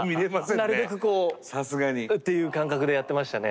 なるべくこうっていう感覚でやってましたね。